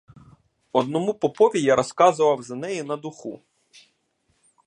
Одному попові я розказував за неї на духу.